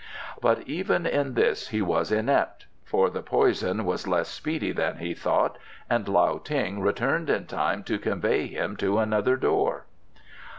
But even in this he was inept, for the poison was less speedy than he thought, and Lao Ting returned in time to convey him to another door.